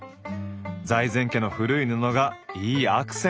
財前家の古い布がいいアクセントに！